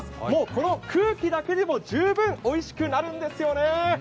この空気だけでも、十分おいしくなるんですよね。